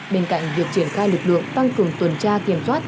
bên cạnh việc triển khai lực lượng tăng cường tuần tra kiểm soát